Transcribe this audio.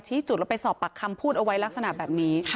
จุดแล้วไปสอบปากคำพูดเอาไว้ลักษณะแบบนี้